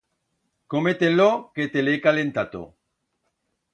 Come-te-lo que te l'he calentato.